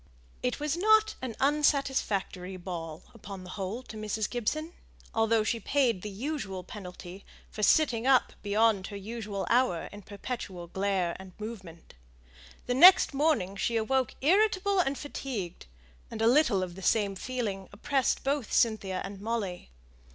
It was not an unsatisfactory ball upon the whole to Mrs. Gibson, although she paid the usual penalty for sitting up beyond her ordinary hour in perpetual glare and movement. The next morning she awoke irritable and fatigued; and a little of the same feeling oppressed both Cynthia and Molly.